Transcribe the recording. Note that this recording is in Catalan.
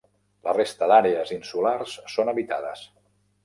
La resta d'àrees insulars són habitades.